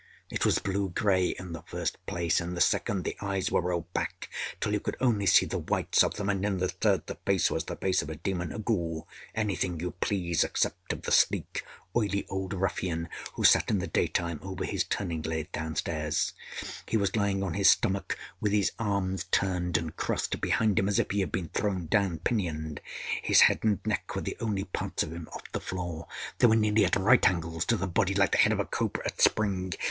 It was blue gray in the first place. In the second, the eyes were rolled back till you could only see the whites of them; and, in the third, the face was the face of a demon a ghoul anything you please except of the sleek, oily old ruffian who sat in the day time over his turning lathe downstairs. He was lying on his stomach, with his arms turned and crossed behind him, as if he had been thrown down pinioned. His head and neck were the only parts of him off the floor. They were nearly at right angles to the body, like the head of a cobra at spring.